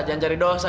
jangan cari dosa